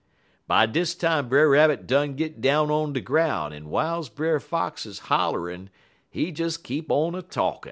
"By dis time Brer Rabbit done git down on de groun', en w'iles Brer Fox holler'n, he des keep on a talkin'.